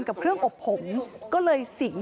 กับเครื่องอบผมก็เลยสิง